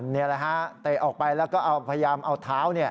นี่แหละฮะเตะออกไปแล้วก็พยายามเอาเท้า